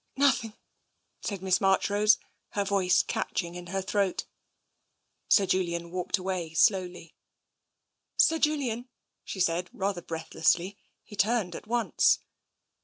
Nothing,'' said Miss Marchrose, her voice catch ing in her throat. Sir Julian walked away slowly. " Sir Julian !" she said, rather breathlessly. He turned at once.